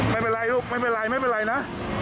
ไม่เป็นไรลูกไม่เป็นไรนะ